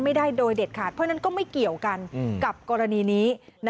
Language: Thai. ไม่ได้โดยเด็ดขาดเพราะฉะนั้นก็ไม่เกี่ยวกันกับกรณีนี้